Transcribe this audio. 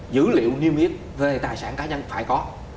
dữ liệu niêm yết về tài sản cá nhân phải có